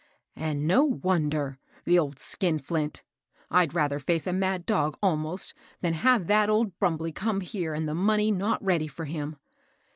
" And no wonder I the old skinflint I I'd rather &ce a mad dog, almost, than have that old Brum bley come here and the money not ready for him.